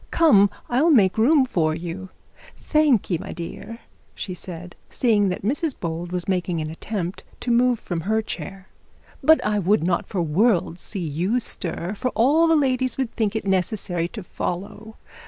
Come I'll make room for you. Thank'ee my dear,' she said, seeing that Mrs Bold was making an attempt to move from her chair, 'but I would not for the world see you stir, for all the ladies would think it necessary to follow.